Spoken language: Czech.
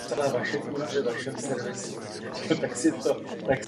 Narodil se v Maroku.